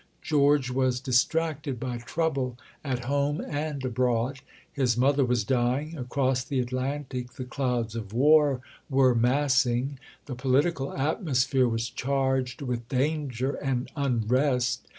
George was distracted by trouble at home and abroad. His mother was dying; across the Atlantic the clouds of war were massing; the political atmosphere was charged with danger and unrest.